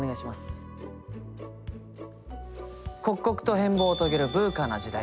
刻々と変貌を遂げるＶＵＣＡな時代。